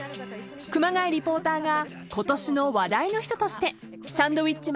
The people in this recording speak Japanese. ［熊谷リポーターが今年の話題の人としてサンドウィッチマンに密着していました］